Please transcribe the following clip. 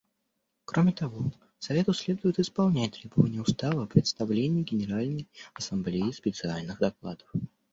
Кроме того, Совету следует исполнять требования Устава о представлении Генеральной Ассамблее специальных докладов.